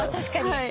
はい。